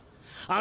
あ！